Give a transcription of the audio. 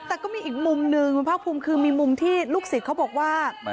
แต่ก็มีอีกมุมหนึ่งคุณภาคภูมิคือมีมุมที่ลูกศิษย์เขาบอกว่า